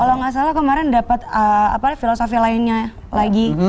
kalau nggak salah kemarin dapat filosofi lainnya lagi